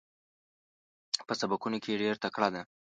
په سبقونو کې ډېره تکړه ده.